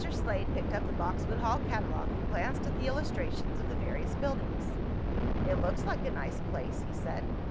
Slade picked up the Boxwood Hall catalogue and glanced at the illustrations of the various buildings. "It looks like a nice place," he said.